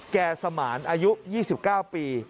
แก่สมานอายุ๒๙ปี